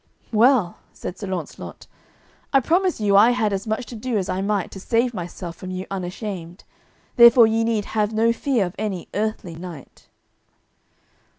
"Well," said Sir Launcelot, "I promise you I had as much to do as I might to save myself from you unashamed; therefore ye need have no fear of any earthly knight."